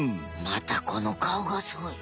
またこのかおがすごい！